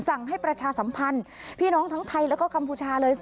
สั่งให้ประชาสัมพันธ์พี่น้องทั้งไทยแล้วก็กัมพูชาเลย